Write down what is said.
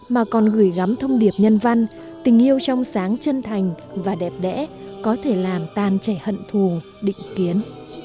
mà còn gửi gắm thông điệp nhân văn tình yêu trong sáng chân thành và đẹp đẽ có thể làm tan trẻ hận thù định kiến